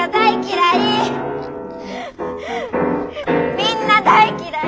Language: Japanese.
みんな大嫌い！